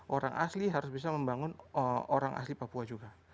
orang asli harus bisa membangun orang asli papua juga